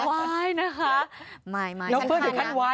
ว๊ายนะคะไม่ชั้นขั้นนะแล้วเพิ่มถึงขั้นวาย